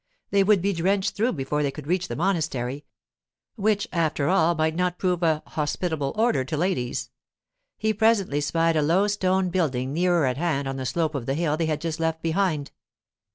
They would be drenched through before they could reach the monastery—which, after all, might not prove a hospitable order to ladies. He presently spied a low stone building nearer at hand on the slope of the hill they had just left behind.